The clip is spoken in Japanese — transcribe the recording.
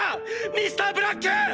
ミスターブラック